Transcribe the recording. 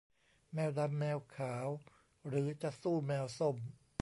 แมวดำแมวขาวหรือจะสู้แมวส้ม